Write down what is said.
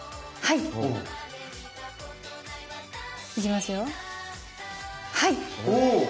いきますよはい！